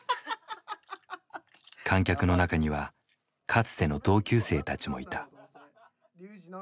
観客の中にはかつての同級生たちもいた。